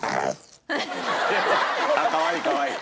かわいいかわいい。